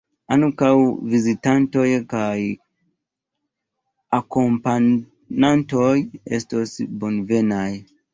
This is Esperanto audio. Ankaŭ vizitantoj kaj akompanantoj estos bonvenaj.